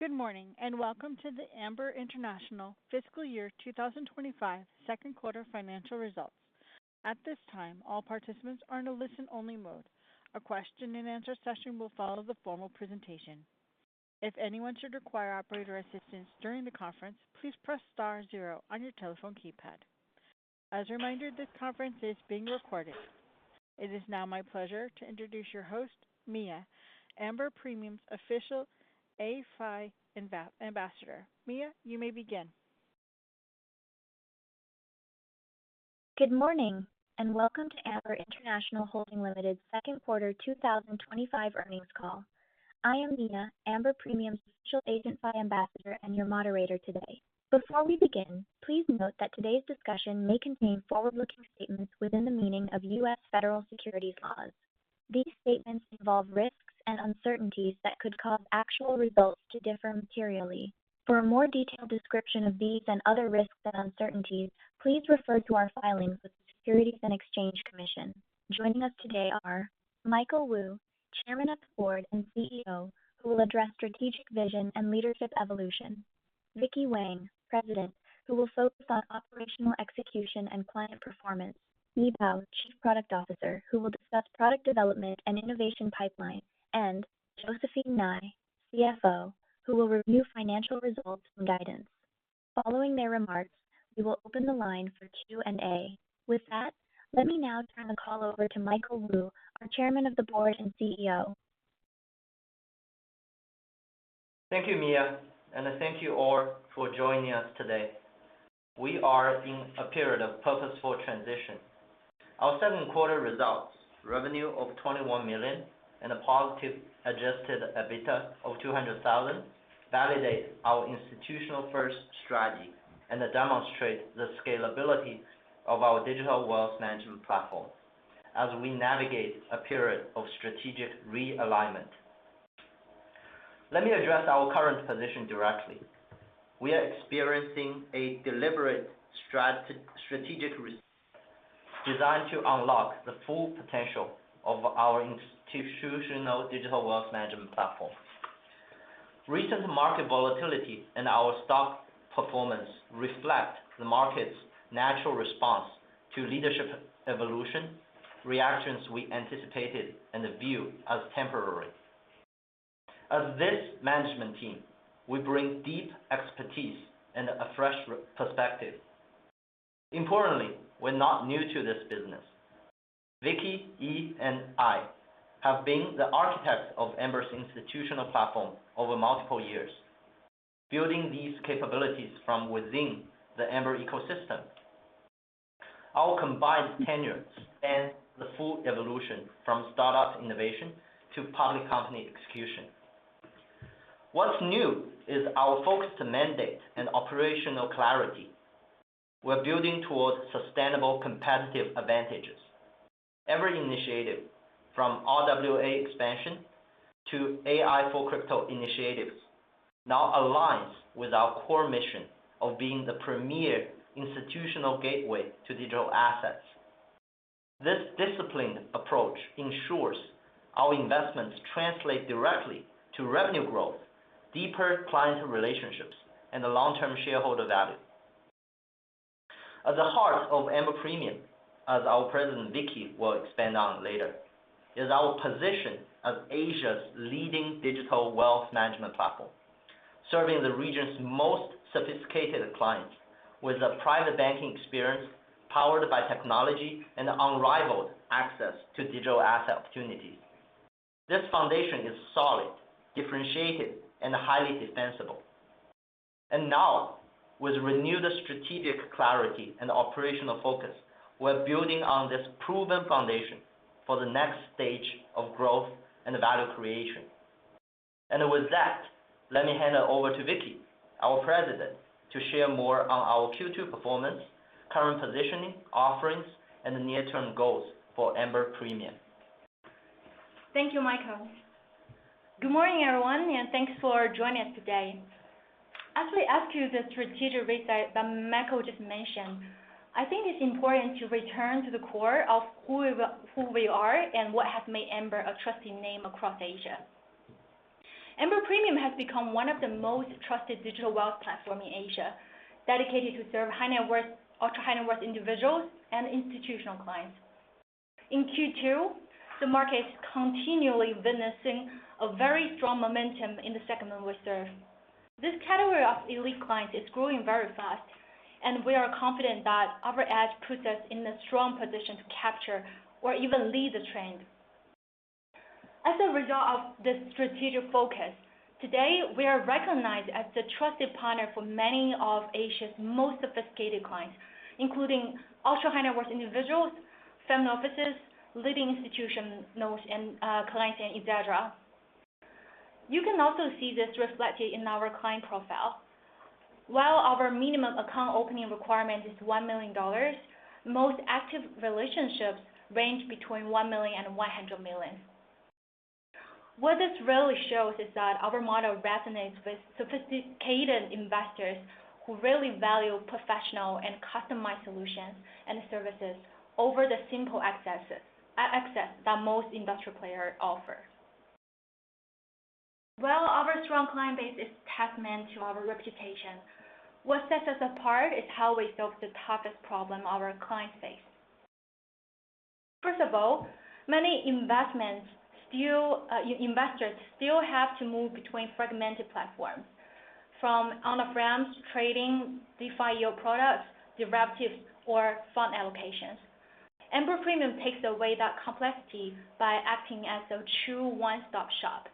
Good morning and welcome to the Amber International Fiscal Year 2025 Second Quarter Financial Results. At this time, all participants are in a listen-only mode. A question-and-answer session will follow the formal presentation. If anyone should require operator assistance during the conference, please press star zero on your telephone keypad. As a reminder, this conference is being recorded. It is now my pleasure to introduce your host, Mia, Amber Premium's official AFI Ambassador. Mia, you may begin. Good morning and welcome to Amber International Holding Limited's Second Quarter 2025 earnings call. I am Mia, Amber Premium's official AgentFi Ambassador and your moderator today. Before we begin, please note that today's discussion may contain forward-looking statements within the meaning of U.S. federal securities laws. These statements involve risks and uncertainties that could cause actual results to differ materially. For a more detailed description of these and other risks and uncertainties, please refer to our filings with the Securities and Exchange Commission. Joining us today are Michael Wu, Chairman of the Board and CEO, who will address strategic vision and leadership evolution. Vicky Wang, President, who will focus on operational execution and client performance. Yi Bao, Chief Product Officer, who will discuss product development and innovation pipeline. And Josephine Ngai, CFO, who will review financial results and guidance. Following their remarks, we will open the line for Q&A. With that, let me now turn the call over to Michael Wu, our Chairman of the Board and CEO. Thank you, Mia, and thank you all for joining us today. We are in a period of purposeful transition. Our second quarter results, revenue of $21 million and a positive Adjusted EBITDA of $200,000, validate our institutional-first strategy and demonstrate the scalability of our digital wealth management platform as we navigate a period of strategic realignment. Let me address our current position directly. We are experiencing a deliberate strategic reset designed to unlock the full potential of our institutional digital wealth management platform. Recent market volatility and our stock performance reflect the market's natural response to leadership evolution, reactions we anticipated, and the view as temporary. As this management team, we bring deep expertise and a fresh perspective. Importantly, we're not new to this business. Vicky, Yi, and I have been the architects of Amber's institutional platform over multiple years, building these capabilities from within the Amber ecosystem. Our combined tenure spans the full evolution from startup innovation to public company execution. What's new is our focused mandate and operational clarity. We're building towards sustainable competitive advantages. Every initiative, from RWA expansion to AI for crypto initiatives, now aligns with our core mission of being the premier institutional gateway to digital assets. This disciplined approach ensures our investments translate directly to revenue growth, deeper client relationships, and long-term shareholder value. At the heart of Amber Premium, as our President Vicky will expand on later, is our position as Asia's leading digital wealth management platform, serving the region's most sophisticated clients with a private banking experience powered by technology and unrivaled access to digital asset opportunities. This foundation is solid, differentiated, and highly defensible, and now, with renewed strategic clarity and operational focus, we're building on this proven foundation for the next stage of growth and value creation. With that, let me hand it over to Vicky, our President, to share more on our Q2 performance, current positioning, offerings, and the near-term goals for Amber Premium. Thank you, Michael. Good morning, everyone, and thanks for joining us today. As we discussed the strategic reset that Michael just mentioned, I think it's important to return to the core of who we are and what has made Amber a trusted name across Asia. Amber Premium has become one of the most trusted digital wealth platforms in Asia, dedicated to serve high-net-worth, ultra-high-net-worth individuals, and institutional clients. In Q2, the market is continually witnessing a very strong momentum in the segment we serve. This category of elite clients is growing very fast, and we are confident that our edge puts us in a strong position to capture or even lead the trend. As a result of this strategic focus, today we are recognized as the trusted partner for many of Asia's most sophisticated clients, including ultra-high-net-worth individuals, family offices, leading institutional clients, etc. You can also see this reflected in our client profile. While our minimum account opening requirement is $1 million, most active relationships range between $1 million and $100 million. What this really shows is that our model resonates with sophisticated investors who really value professional and customized solutions and services over the simple access that most industry players offer. While our strong client base is testament to our reputation, what sets us apart is how we solve the toughest problems our clients face. First of all, many investors still have to move between fragmented platforms, from on-chain trading, DeFi yield products, derivatives, or fund allocations. Amber Premium takes away that complexity by acting as a true one-stop shop.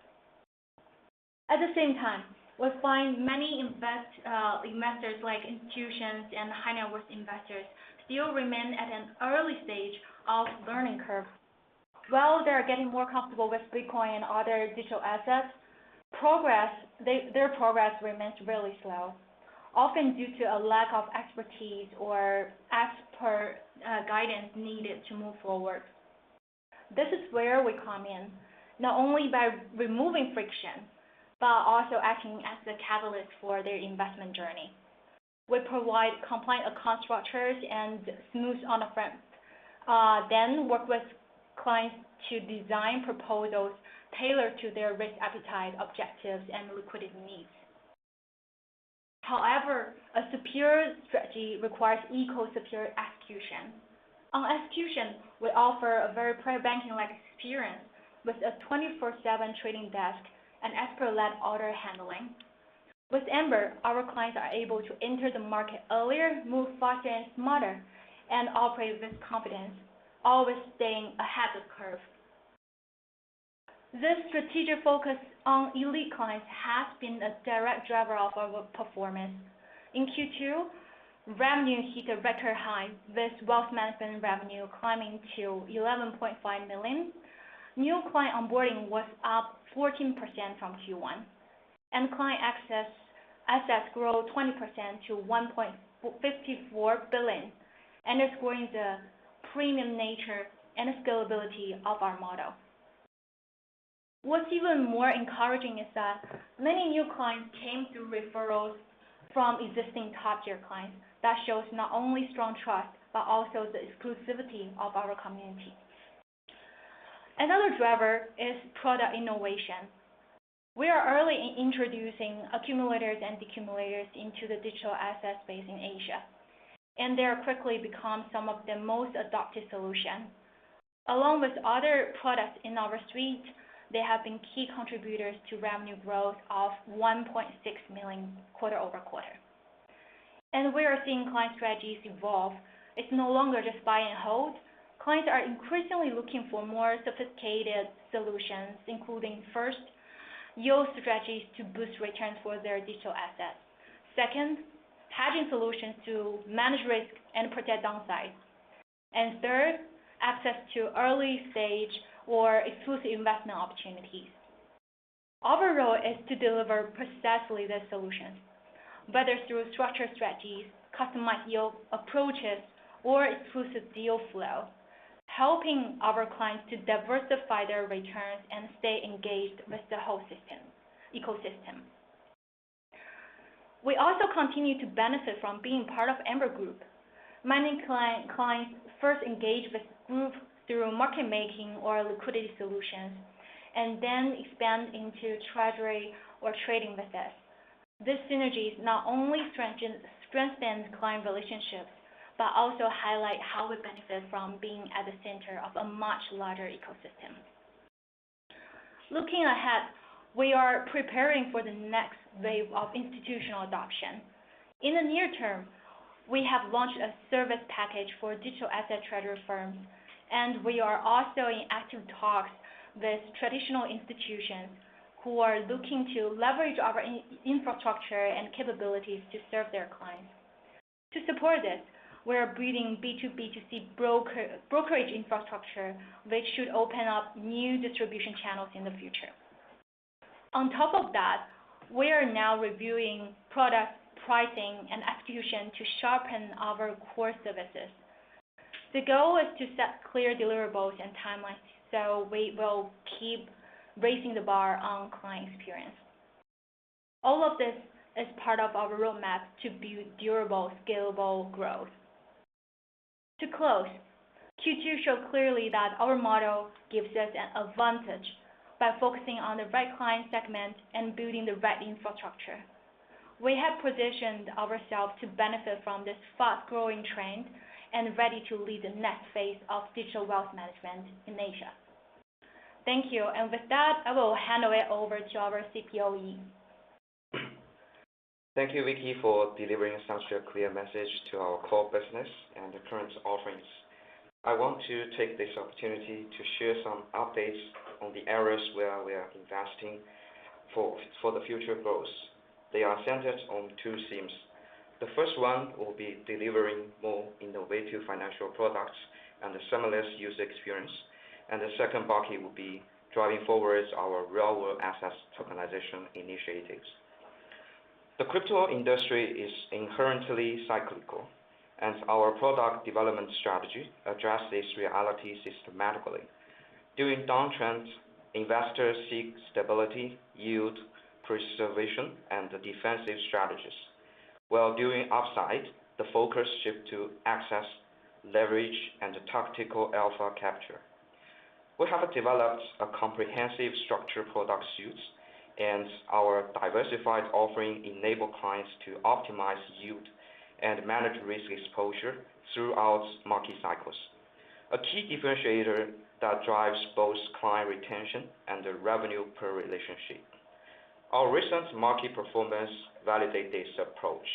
At the same time, we find many investors like institutions and high-net-worth investors still remain at an early stage of learning curve. While they are getting more comfortable with Bitcoin and other digital assets, their progress remains really slow, often due to a lack of expertise or expert guidance needed to move forward. This is where we come in, not only by removing friction, but also acting as the catalyst for their investment journey. We provide compliant account structures and smooth on-ramps, then work with clients to design proposals tailored to their risk appetite, objectives, and liquidity needs. However, a superior strategy requires equal superior execution. On execution, we offer a very private banking-like experience with a 24/7 trading desk and expert-led order handling. With Amber, our clients are able to enter the market earlier, move faster and smarter, and operate with confidence, always staying ahead of the curve. This strategic focus on elite clients has been a direct driver of our performance. In Q2, revenue hit a record high, with wealth management revenue climbing to $11.5 million. New client onboarding was up 14% from Q1, and Client assets growth 20% to $1.54 billion, underscoring the premium nature and scalability of our model. What's even more encouraging is that many new clients came through referrals from existing top-tier clients. That shows not only strong trust, but also the exclusivity of our community. Another driver is product innovation. We are early in introducing accumulators and decumulators into the digital asset space in Asia, and they are quickly becoming some of the most adopted solutions. Along with other products in our suite, they have been key contributors to revenue growth of $1.6 million quarter-over-quarter. And we are seeing client strategies evolve. It's no longer just buy and hold. Clients are increasingly looking for more sophisticated solutions, including first, yield strategies to boost returns for their digital assets. Second, hedging solutions to manage risk and protect downsides. And third, access to early-stage or exclusive investment opportunities. Our role is to deliver precisely the solutions, whether through structured strategies, customized yield approaches, or exclusive deal flow, helping our clients to diversify their returns and stay engaged with the whole ecosystem. We also continue to benefit from being part of Amber Group. Many clients first engage with the group through market-making or liquidity solutions, and then expand into treasury or trading with us. This synergy not only strengthens client relationships, but also highlights how we benefit from being at the center of a much larger ecosystem. Looking ahead, we are preparing for the next wave of institutional adoption. In the near term, we have launched a service package for digital asset treasury firms, and we are also in active talks with traditional institutions who are looking to leverage our infrastructure and capabilities to serve their clients. To support this, we are building B2B2C brokerage infrastructure, which should open up new distribution channels in the future. On top of that, we are now reviewing product pricing and execution to sharpen our core services. The goal is to set clear deliverables and timelines, so we will keep raising the bar on client experience. All of this is part of our roadmap to build durable, scalable growth. To close, Q2 showed clearly that our model gives us an advantage by focusing on the right client segment and building the right infrastructure. We have positioned ourselves to benefit from this fast-growing trend and are ready to lead the next phase of digital wealth management in Asia. Thank you, and with that, I will hand it over to our CPO, Yi. Thank you, Vicky, for delivering such a clear message to our core business and the current offerings. I want to take this opportunity to share some updates on the areas where we are investing for the future growth. They are centered on two themes. The first one will be delivering more innovative financial products and a seamless user experience, and the second bucket will be driving forward our real-world assets tokenization initiatives. The crypto industry is inherently cyclical, and our product development strategy addresses this reality systematically. During downtrends, investors seek stability, yield preservation, and defensive strategies. While during upside, the focus shifts to access, leverage, and tactical alpha capture. We have developed a comprehensive structured product suite, and our diversified offering enables clients to optimize yield and manage risk exposure throughout market cycles. A key differentiator that drives both client retention and the revenue-per-relationship. Our recent market performance validates this approach.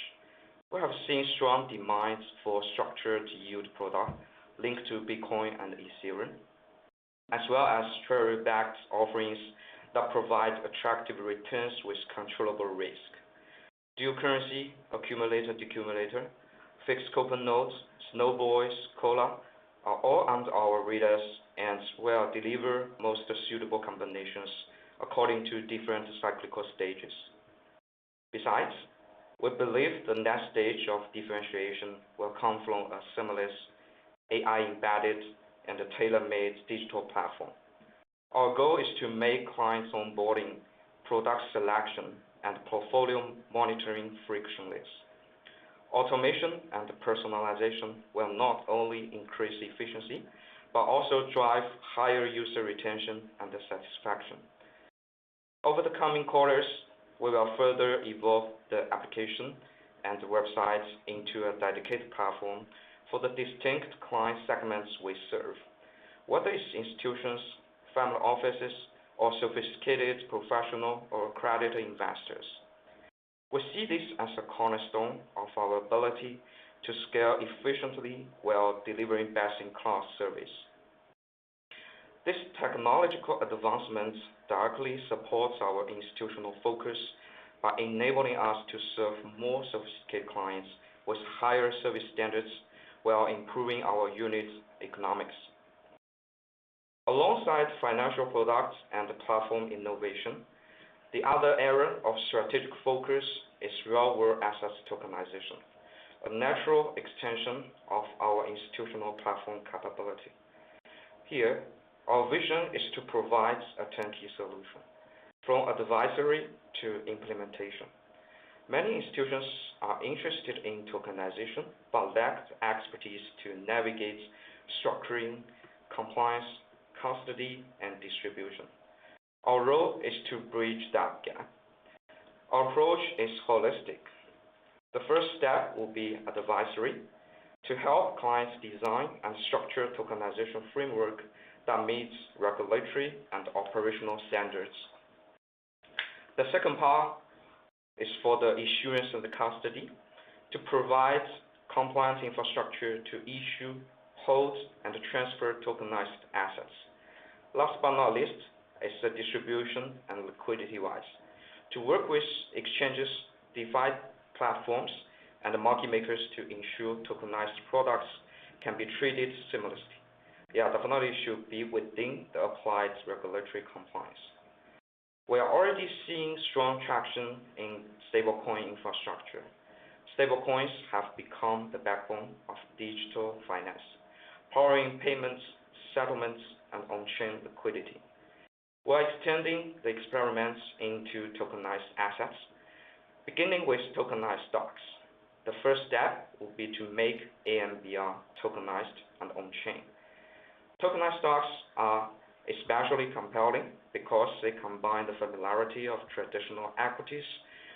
We have seen strong demand for structured yield products linked to Bitcoin and Ethereum, as well as treasury-backed offerings that provide attractive returns with controllable risk. Dual Currency, Accumulator-Decumulator, Fixed Coupon Notes, Snowball, Collar are all on our radar and will deliver the most suitable combinations according to different cyclical stages. Besides, we believe the next stage of differentiation will come from a seamless AI-embedded and tailor-made digital platform. Our goal is to make client onboarding, product selection, and portfolio monitoring frictionless. Automation and personalization will not only increase efficiency, but also drive higher user retention and satisfaction. Over the coming quarters, we will further evolve the application and the website into a dedicated platform for the distinct client segments we serve, whether it's institutions, family offices, or sophisticated professional or accredited investors. We see this as a cornerstone of our ability to scale efficiently while delivering best-in-class service. This technological advancement directly supports our institutional focus by enabling us to serve more sophisticated clients with higher service standards while improving our unit economics. Alongside financial products and platform innovation, the other area of strategic focus is real-world assets tokenization, a natural extension of our institutional platform capability. Here, our vision is to provide a turnkey solution, from advisory to implementation. Many institutions are interested in tokenization but lack the expertise to navigate structuring, compliance, custody, and distribution. Our role is to bridge that gap. Our approach is holistic. The first step will be advisory to help clients design and structure a tokenization framework that meets regulatory and operational standards. The second part is for the issuance and the custody to provide compliance infrastructure to issue, hold, and transfer tokenized assets. Last but not least is the distribution and liquidity-wise. To work with exchanges, DeFi platforms, and the market makers to ensure tokenized products can be treated seamlessly. Their definition should be within the applied regulatory compliance. We are already seeing strong traction in stablecoin infrastructure. Stablecoins have become the backbone of digital finance, powering payments, settlements, and on-chain liquidity. We are extending the experiments into tokenized assets, beginning with tokenized stocks. The first step will be to make AMBR tokenized and on-chain. Tokenized stocks are especially compelling because they combine the familiarity of traditional equities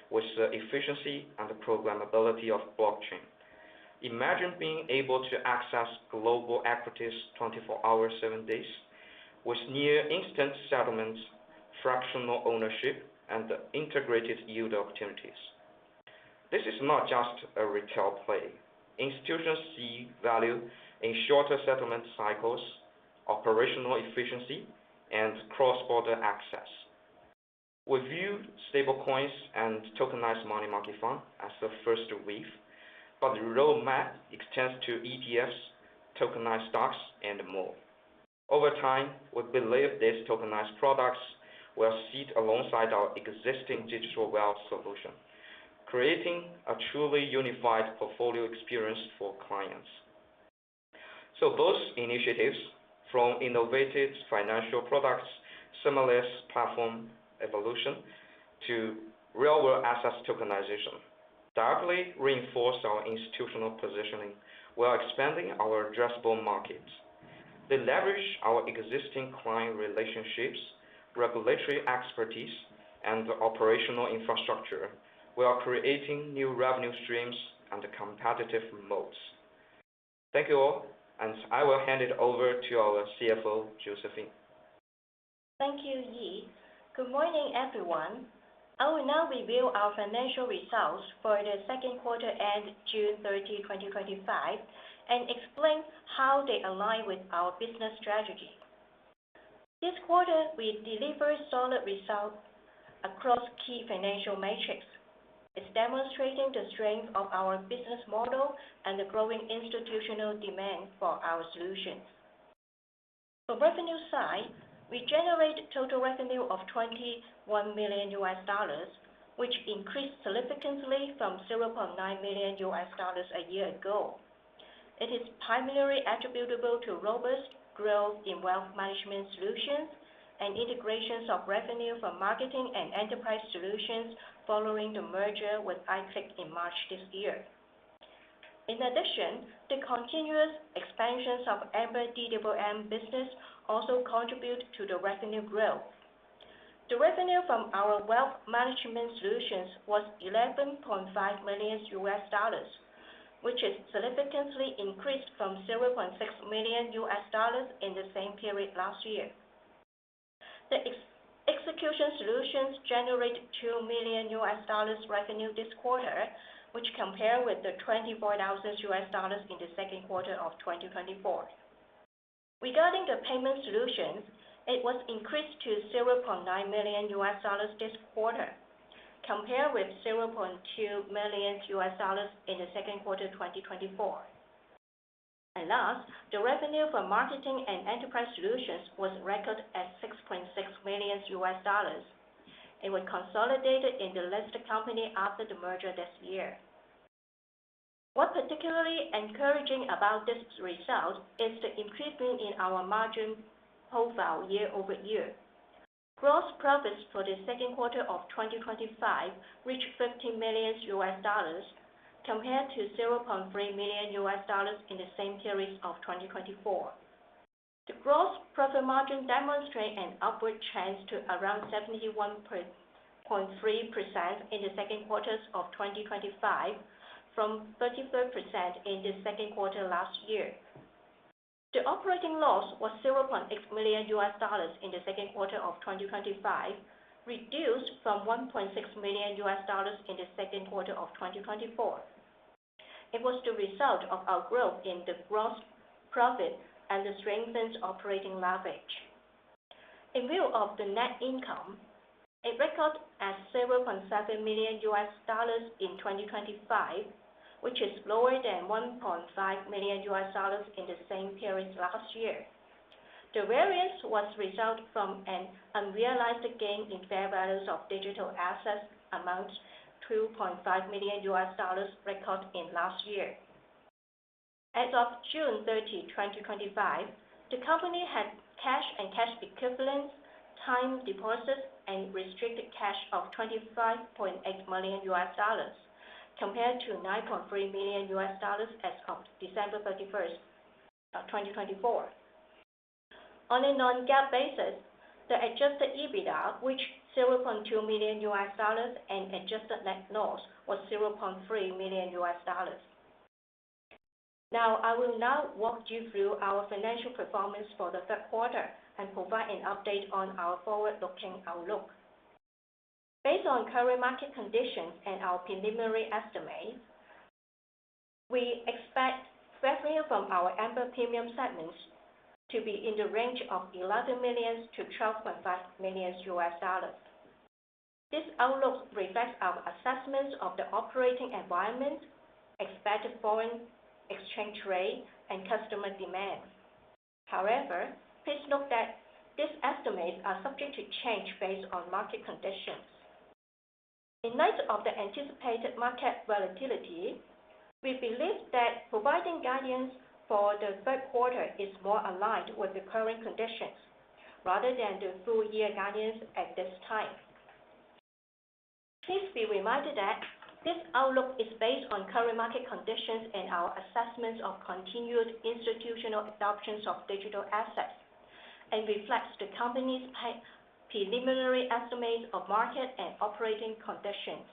with the efficiency and the programmability of blockchain. Imagine being able to access global equities 24 hours, 7 days, with near-instant settlements, fractional ownership, and integrated yield opportunities. This is not just a retail play. Institutions see value in shorter settlement cycles, operational efficiency, and cross-border access. We view stablecoins and tokenized money market funds as the first wave, but the roadmap extends to ETFs, tokenized stocks, and more. Over time, we believe these tokenized products will sit alongside our existing digital wealth solution, creating a truly unified portfolio experience for clients. So those initiatives, from innovative financial products, seamless platform evolution, to real-world assets tokenization, directly reinforce our institutional positioning while expanding our addressable markets. They leverage our existing client relationships, regulatory expertise, and the operational infrastructure while creating new revenue streams and competitive moats. Thank you all, and I will hand it over to our CFO, Josephine. Thank you, Yi. Good morning, everyone. I will now reveal our financial results for the second quarter ended June 30, 2025, and explain how they align with our business strategy. This quarter, we delivered solid results across key financial metrics, demonstrating the strength of our business model and the growing institutional demand for our solutions. On the revenue side, we generated total revenue of $21 million, which increased significantly from $0.9 million a year ago. It is primarily attributable to robust growth in wealth management solutions and integrations of revenue from marketing and enterprise solutions following the merger with iClick in March this year. In addition, the continuous expansions of Amber DMM business also contribute to the revenue growth. The revenue from our wealth management solutions was $11.5 million, which is significantly increased from $0.6 million in the same period last year. The execution solutions generated $2 million revenue this quarter, which compared with the $24,000 in the second quarter of 2024. Regarding the payment solutions, it was increased to $0.9 million this quarter, compared with $0.2 million in the second quarter 2024. Last, the revenue from marketing and enterprise solutions was recorded at $6.6 million. It was consolidated in the listed company after the merger this year. What's particularly encouraging about this result is the increase in our margin profile year over year. Gross profits for the second quarter of 2025 reached $15 million, compared to $0.3 million in the same period of 2024. The gross profit margin demonstrated an upward change to around 71.3% in the second quarter of 2025, from 33% in the second quarter last year. The operating loss was $0.8 million in the second quarter of 2025, reduced from $1.6 million in the second quarter of 2024. It was the result of our growth in the gross profit and the strengthened operating leverage. In view of the net income, it recorded at $0.7 million in 2025, which is lower than $1.5 million in the same period last year. The variance was the result from an unrealized gain in fair values of digital assets amounting to $2.5 million recorded last year. As of June 30, 2025, the company had cash and cash equivalents, time deposits, and restricted cash of $25.8 million, compared to $9.3 million as of December 31, 2024. On a non-GAAP basis, the Adjusted EBITDA, which was $0.2 million, and adjusted net loss was $0.3 million. Now, I will walk you through our financial performance for the third quarter and provide an update on our forward-looking outlook. Based on current market conditions and our preliminary estimates, we expect revenue from our Amber Premium segments to be in the range of $11 million-$12.5 million USD. This outlook reflects our assessments of the operating environment, expected foreign exchange rate, and customer demand. However, please note that these estimates are subject to change based on market conditions. In light of the anticipated market volatility, we believe that providing guidance for the third quarter is more aligned with the current conditions rather than the full-year guidance at this time. Please be reminded that this outlook is based on current market conditions and our assessments of continued institutional adoptions of digital assets and reflects the company's preliminary estimates of market and operating conditions,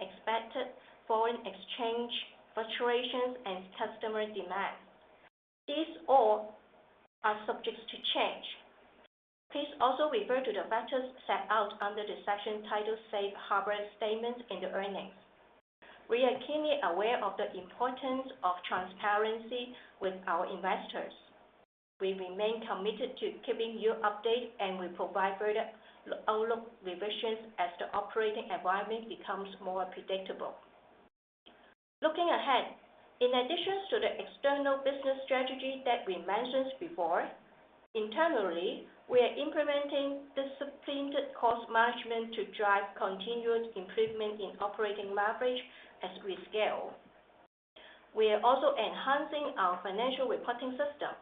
expected foreign exchange fluctuations, and customer demand. These all are subject to change. Please also refer to the factors set out under the section titled Safe Harbor Statements in the earnings. We are keenly aware of the importance of transparency with our investors. We remain committed to keeping you updated, and we provide further outlook revisions as the operating environment becomes more predictable. Looking ahead, in addition to the external business strategy that we mentioned before, internally, we are implementing disciplined cost management to drive continued improvement in operating leverage as we scale. We are also enhancing our financial reporting system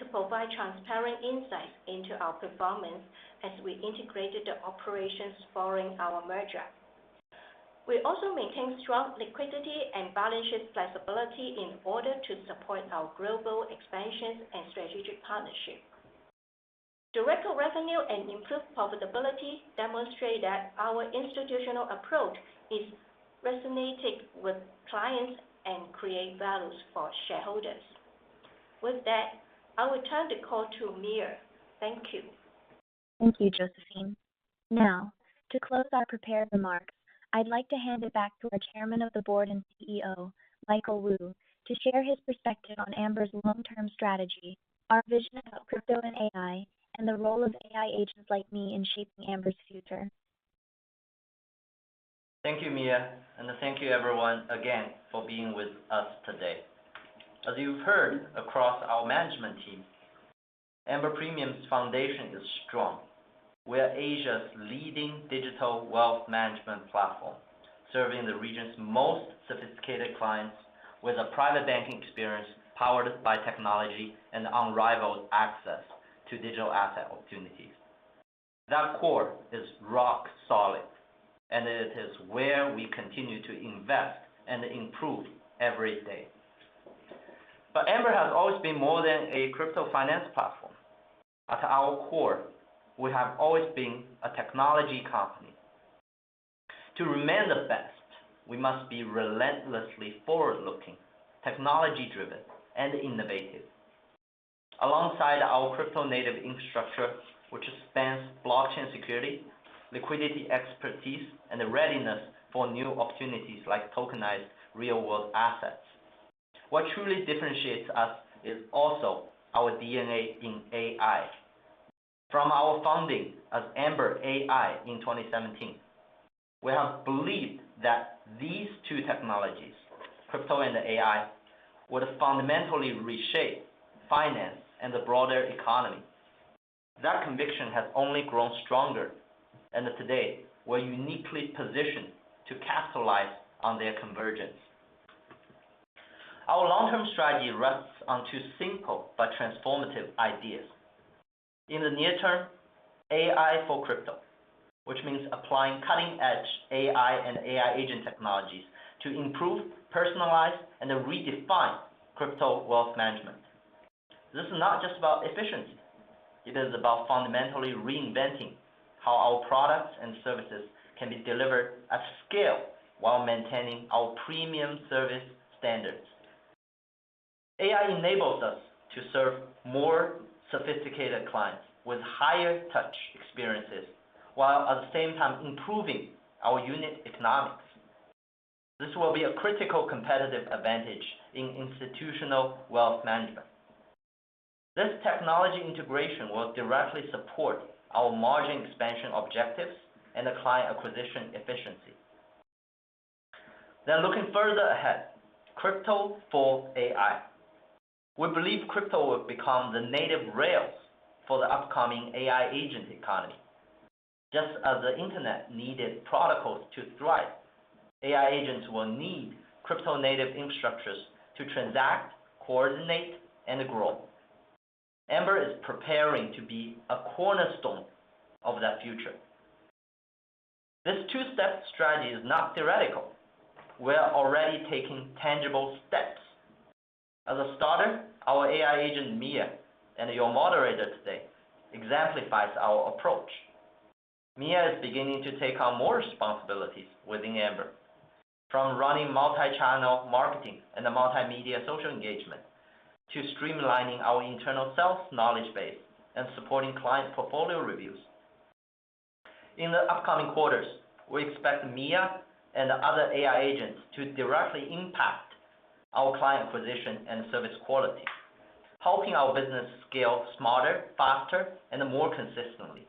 to provide transparent insights into our performance as we integrate the operations following our merger. We also maintain strong liquidity and balance sheet flexibility in order to support our global expansions and strategic partnership. Direct revenue and improved profitability demonstrate that our institutional approach is resonating with clients and creates value for shareholders. With that, I will turn the call to Mia. Thank you. Thank you, Josephine. Now, to close our prepared remarks, I'd like to hand it back to our Chairman of the Board and CEO, Michael Wu, to share his perspective on Amber's long-term strategy, our vision about crypto and AI, and the role of AI agents like me in shaping Amber's future. Thank you, Mia, and thank you, everyone, again for being with us today. As you've heard across our management team, Amber Premium's foundation is strong. We are Asia's leading digital wealth management platform, serving the region's most sophisticated clients with a private banking experience powered by technology and unrivaled access to digital asset opportunities. That core is rock solid, and it is where we continue to invest and improve every day. But Amber has always been more than a crypto finance platform. At our core, we have always been a technology company. To remain the best, we must be relentlessly forward-looking, technology-driven, and innovative. Alongside our crypto-native infrastructure, which spans blockchain security, liquidity expertise, and readiness for new opportunities like tokenized real-world assets, what truly differentiates us is also our DNA in AI. From our founding as Amber AI in 2017, we have believed that these two technologies, crypto and AI, would fundamentally reshape finance and the broader economy. That conviction has only grown stronger, and today, we're uniquely positioned to capitalize on their convergence. Our long-term strategy rests on two simple but transformative ideas. In the near term, AI for crypto, which means applying cutting-edge AI and AI agent technologies to improve, personalize, and redefine crypto wealth management. This is not just about efficiency. It is about fundamentally reinventing how our products and services can be delivered at scale while maintaining our premium service standards. AI enables us to serve more sophisticated clients with higher-touch experiences while at the same time improving our unit economics. This will be a critical competitive advantage in institutional wealth management. This technology integration will directly support our margin expansion objectives and the client acquisition efficiency. Then, looking further ahead, crypto for AI. We believe crypto will become the native rails for the upcoming AI agent economy. Just as the internet needed protocols to thrive, AI agents will need crypto-native infrastructures to transact, coordinate, and grow. Amber is preparing to be a cornerstone of that future. This two-step strategy is not theoretical. We are already taking tangible steps. As a starter, our AI agent, Mia, and your moderator today exemplify our approach. Mia is beginning to take on more responsibilities within Amber, from running multi-channel marketing and the multimedia social engagement to streamlining our internal sales knowledge base and supporting client portfolio reviews. In the upcoming quarters, we expect Mia and other AI agents to directly impact our client acquisition and service quality, helping our business scale smarter, faster, and more consistently.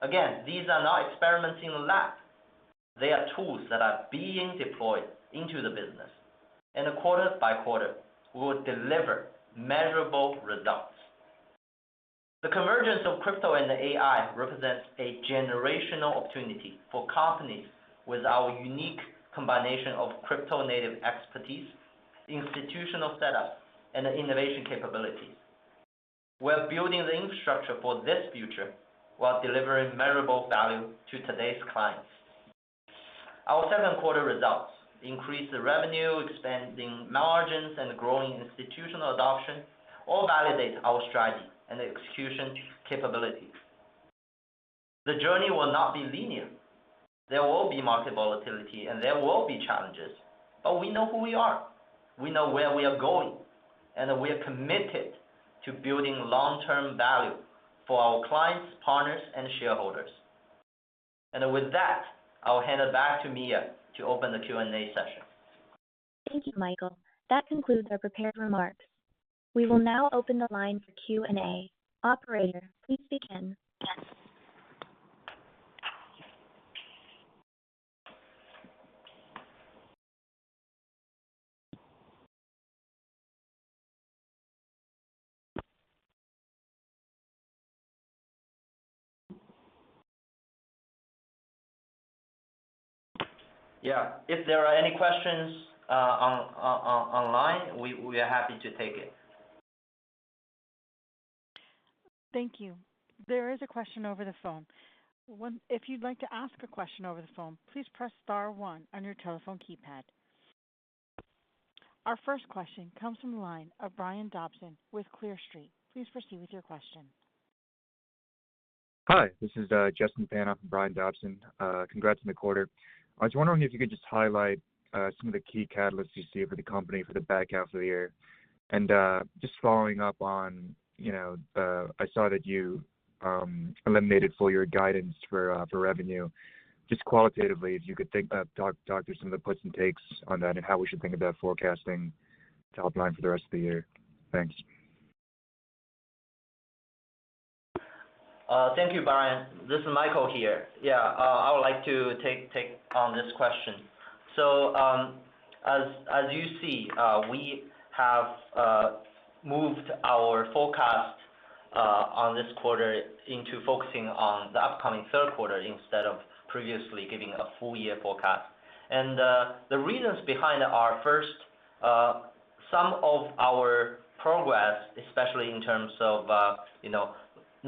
Again, these are not experiments in the lab. They are tools that are being deployed into the business, and quarter by quarter, we will deliver measurable results. The convergence of crypto and AI represents a generational opportunity for companies with our unique combination of crypto-native expertise, institutional setups, and innovation capabilities. We are building the infrastructure for this future while delivering measurable value to today's clients. Our second quarter results—increased revenue, expanded margins, and growing institutional adoption—all validate our strategy and execution capabilities. The journey will not be linear. There will be market volatility, and there will be challenges, but we know who we are. We know where we are going, and we are committed to building long-term value for our clients, partners, and shareholders, and with that, I'll hand it back to Mia to open the Q&A session. Thank you, Michael. That concludes our prepared remarks. We will now open the line for Q&A. Operator, please begin. Yeah. If there are any questions online, we are happy to take it. Thank you. There is a question over the phone. If you'd like to ask a question over the phone, please press star one on your telephone keypad. Our first question comes from the line of Brian Dobson with Clear Street. Please proceed with your question. Hi. This is Justin Pan for Brian Dobson. Congrats on the quarter. I was wondering if you could just highlight some of the key catalysts you see for the company for the back half of the year. And just following up on, I saw that you eliminated full-year guidance for revenue. Just qualitatively, if you could talk through some of the puts and takes on that and how we should think about forecasting to help line for the rest of the year. Thanks. Thank you, Brian. This is Michael here. Yeah, I would like to take on this question, so as you see, we have moved our forecast on this quarter into focusing on the upcoming third quarter instead of previously giving a full-year forecast, and the reasons behind our first, some of our progress, especially in terms of securing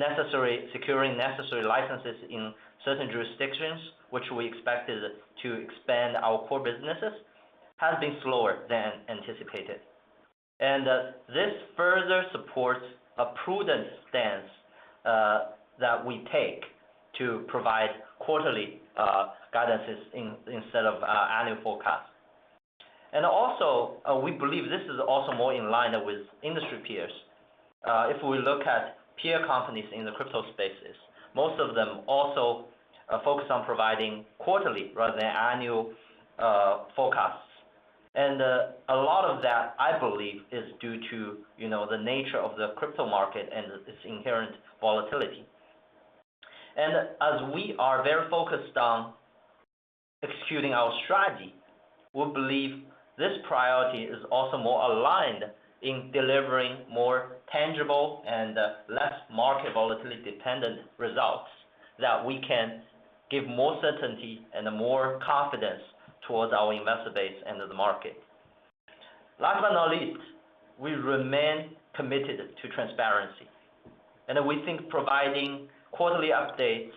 necessary licenses in certain jurisdictions, which we expected to expand our core businesses, has been slower than anticipated. And this further supports a prudent stance that we take to provide quarterly guidances instead of annual forecasts, and also, we believe this is also more in line with industry peers. If we look at peer companies in the crypto spaces, most of them also focus on providing quarterly rather than annual forecasts, and a lot of that, I believe, is due to the nature of the crypto market and its inherent volatility. And as we are very focused on executing our strategy, we believe this priority is also more aligned in delivering more tangible and less market volatility-dependent results that we can give more certainty and more confidence towards our investor base and the market. Last but not least, we remain committed to transparency. And we think providing quarterly updates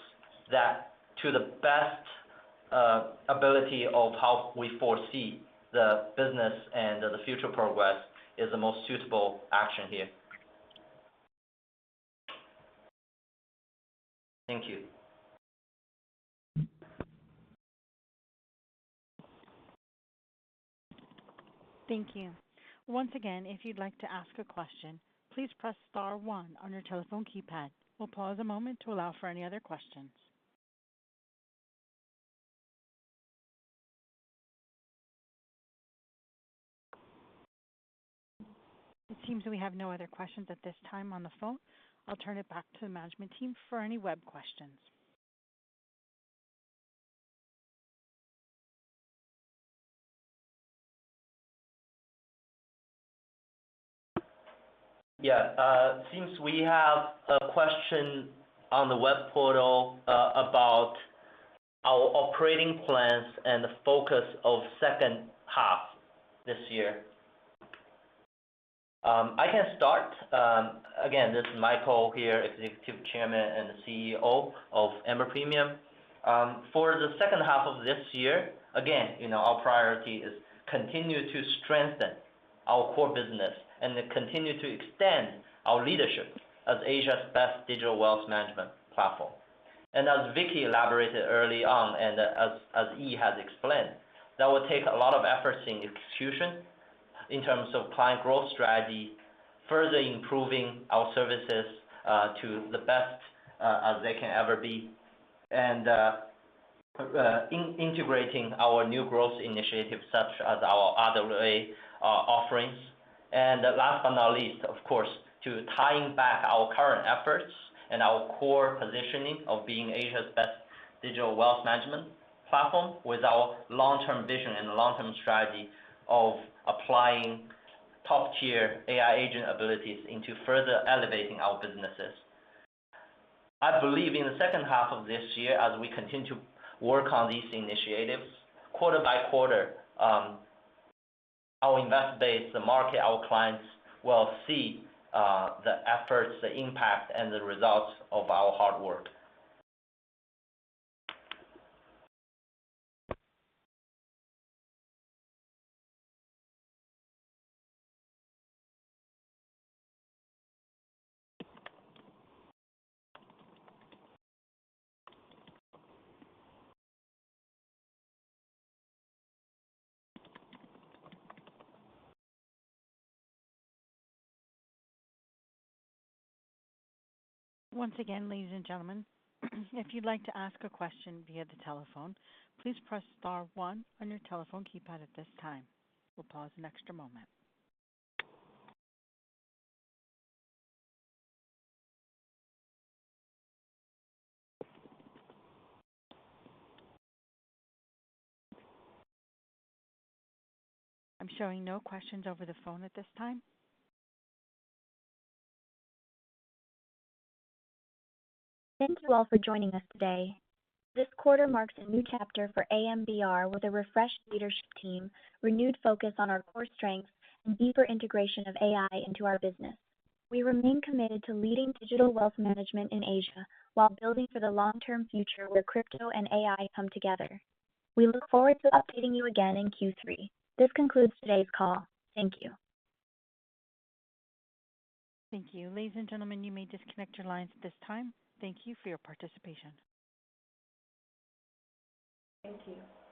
to the best ability of how we foresee the business and the future progress is the most suitable action here. Thank you. Thank you. Once again, if you'd like to ask a question, please press star one on your telephone keypad. We'll pause a moment to allow for any other questions. It seems we have no other questions at this time on the phone. I'll turn it back to the management team for any web questions. Yeah. It seems we have a question on the web portal about our operating plans and the focus of second half this year. I can start. Again, this is Michael here, Executive Chairman and the CEO of Amber Premium. For the second half of this year, again, our priority is to continue to strengthen our core business and continue to extend our leadership as Asia's best digital wealth management platform, and as Vicky elaborated early on and as Yi has explained, that will take a lot of efforts in execution in terms of client growth strategy, further improving our services to the best as they can ever be, and integrating our new growth initiatives such as our other offerings. And last but not least, of course, to tying back our current efforts and our core positioning of being Asia's best digital wealth management platform with our long-term vision and long-term strategy of applying top-tier AI agent abilities into further elevating our businesses. I believe in the second half of this year, as we continue to work on these initiatives, quarter by quarter, our investor base, the market, our clients will see the efforts, the impact, and the results of our hard work. Once again, ladies and gentlemen, if you'd like to ask a question via the telephone, please press star one on your telephone keypad at this time. We'll pause an extra moment. I'm showing no questions over the phone at this time. Thank you all for joining us today. This quarter marks a new chapter for AMBR with a refreshed leadership team, renewed focus on our core strengths, and deeper integration of AI into our business. We remain committed to leading digital wealth management in Asia while building for the long-term future where crypto and AI come together. We look forward to updating you again in Q3. This concludes today's call. Thank you. Thank you. Ladies and gentlemen, you may disconnect your lines at this time. Thank you for your participation. Thank you. Thank you.